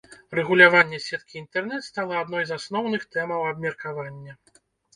Рэгуляванне сеткі інтэрнэт стала адной з асноўных тэмаў абмеркавання.